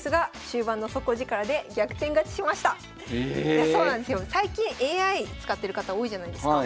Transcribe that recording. いやそうなんですよ最近ＡＩ使ってる方多いじゃないですか。